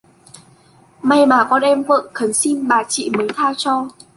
May mà con vợ em khấn xin bà chị mới tha cho